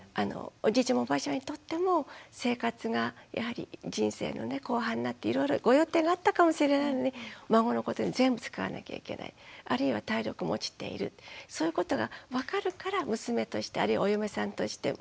おじいちゃまおばあちゃまにとっても生活がやはり人生のね後半になっていろいろご予定があったかもしれないのに孫のことに全部使わなきゃいけないあるいは体力も落ちているそういうことが分かるから娘としてあるいはお嫁さんとして申し訳ないと。